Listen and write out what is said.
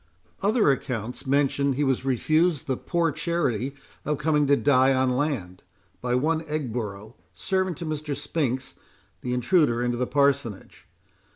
Other accounts mention he was refused the poor charity of coming to die on land, by one Egborough, servant to Mr. Spinks, the intruder into the parsonage.